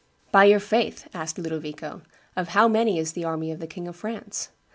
'By your faith,' asked Ludovico, 'of how many is the army of the King of France?